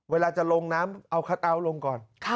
เวลาจะลงน้ำเอาคัทเอาท์ลงก่อน